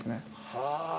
はあ。